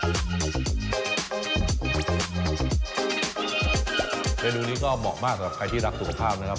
เตรียมดูลนี้ก็เหมาะมากกับใครที่รักสูบข้ามนะครับ